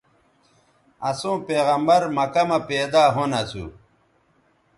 اَسوں پیغمبرؐ مکہ مہ پیدا ھُون اَسو